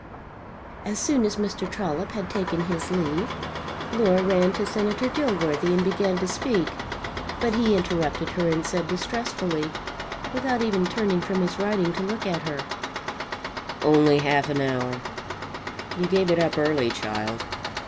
As soon as Mr. Trollop had taken his leave, Laura ran to Senator Dilworthy and began to speak, but he interrupted her and said distressfully, without even turning from his writing to look at her: "Only half an hour! You gave it up early, child.